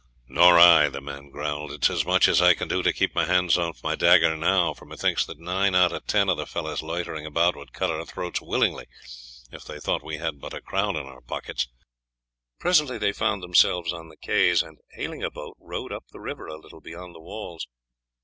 "Nor I," the man growled. "It is as much as I can do to keep my hands off my dagger now, for methinks that nine out of ten of the fellows loitering about would cut our throats willingly, if they thought that we had but a crown in our pockets." Presently they found themselves on the quays, and, hailing a boat, rowed up the river a little beyond the walls.